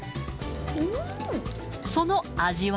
その味は。